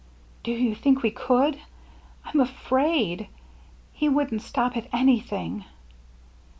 " Do you think we could ? I'm afraid. He wouldn't stop at anything."